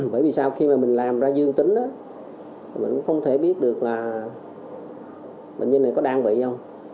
bởi vì sao khi mà mình làm ra dương tính mình cũng không thể biết được là bệnh nhân này có đang bị dông